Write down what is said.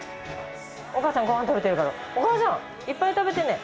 お母さんごはん食べてるからお母さんいっぱい食べてね。